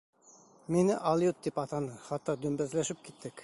Мине алйот тип атаны, хатта дөмбәҫләшеп киттек.